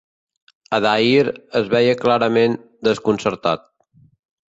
Adair es veia clarament desconcertat.